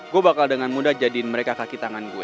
gue bakal dengan mudah jadiin mereka kaki tangan gue